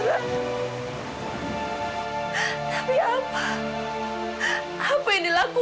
tapi apa apa yang dilakukan